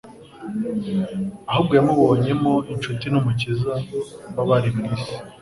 ahubwo yamubonyemo inshuti n'Umukiza w'abari mu isi.